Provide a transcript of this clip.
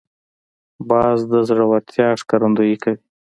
باز د زړورتیا ښکارندویي کوي